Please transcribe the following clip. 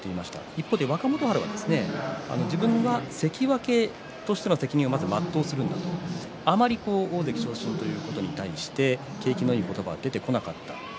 一方で若元春は自分が関脇としての責任をまず全うするんだあまり、大関昇進ということに対して景気のいい言葉は出てこなかった。